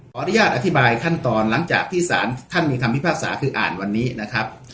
อนุญาตอธิบายขั้นตอนหลังจากที่สารท่านมีคำพิพากษาคืออ่านวันนี้นะครับ